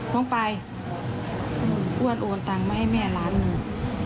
น้องไปอ้วนโอนตังค์มาให้แม่ล้านหนึ่ง